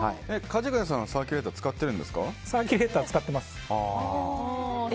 かじがやさんはサーキュレーターサーキュレーター使ってます。